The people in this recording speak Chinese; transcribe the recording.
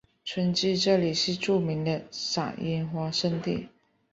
春季这里是著名的赏樱花胜地。